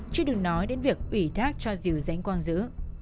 chứ đừng nói đến việc ủy thác cho dìu dánh quang giữ